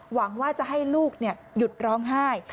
หวังว่าจะให้ลูกหยุดร้องไห้